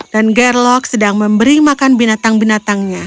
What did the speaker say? dan gerlok sedang memberi makan binatang binatangnya